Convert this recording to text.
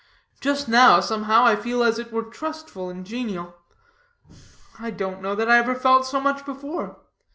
Just now, somehow, I feel as it were trustful and genial. I don't know that ever I felt so much so before.